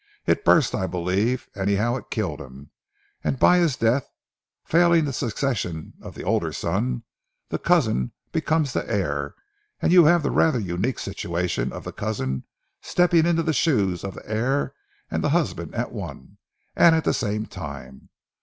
It burst, I believe, anyhow it killed him, and by his death, failing the succession of the older son, the cousin becomes the heir, and you have the rather unique situation of the cousin stepping into the shoes of the heir and the husband at one and the same time.